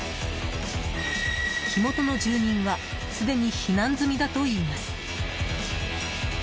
火元の住人はすでに避難済みだといいます。